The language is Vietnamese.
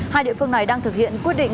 hai địa phương này đang thực hiện quyết định